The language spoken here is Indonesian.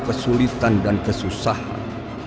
kesulitan dan kesusahan